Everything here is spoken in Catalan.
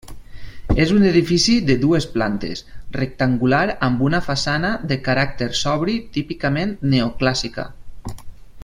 És un edifici de dues plantes, rectangular amb una façana de caràcter sobri típicament neoclàssica.